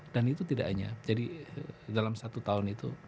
dan itu tidak hanya jadi dalam satu tahun itu